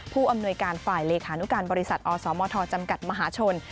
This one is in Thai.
ผู้อำนวยการฝ่ายเลขานุการบริษัทอสมทจำกัดมหาชน